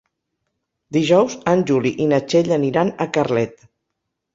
Dijous en Juli i na Txell aniran a Carlet.